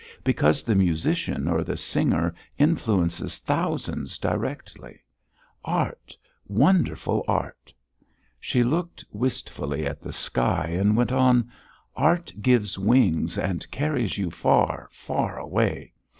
Because the musician or the singer influences thousands directly. Art, wonderful art!" She looked wistfully at the sky and went on: "Art gives wings and carries you far, far away.